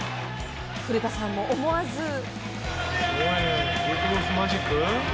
古田さんも思わず。